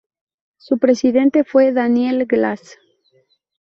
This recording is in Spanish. Su presidente fue Daniel Glass.